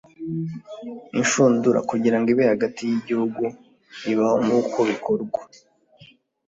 inshundura - kugirango ibe hagati yigihugu, ibaho nkuko bikorwa